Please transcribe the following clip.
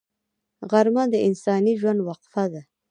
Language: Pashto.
غرمه د انساني ژوند وقفه ده